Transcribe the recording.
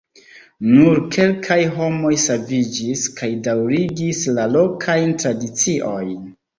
Nur kelkaj homoj saviĝis, kaj daŭrigis la lokajn tradiciojn.